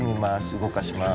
動かします。